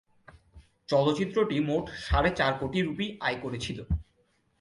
চলচ্চিত্রটি মোট সাড়ে চার কোটি রূপী আয় করেছিলো।